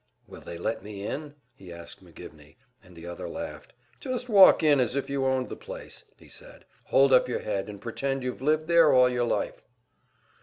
"Will they let me in?" he asked McGivney, and the other laughed. "Just walk in as if you owned the place," he said. "Hold up your head, and pretend you've lived there all your life."